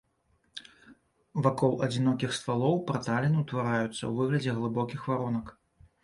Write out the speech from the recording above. Вакол адзінокіх ствалоў праталіны ўтвараюцца ў выглядзе глыбокіх варонак.